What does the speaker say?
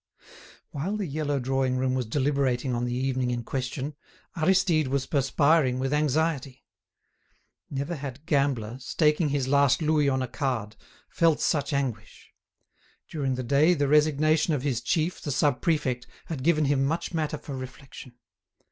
While the yellow drawing room was deliberating on the evening in question, Aristide was perspiring with anxiety. Never had gambler, staking his last louis on a card, felt such anguish. During the day the resignation of his chief, the sub prefect, had given him much matter for reflection.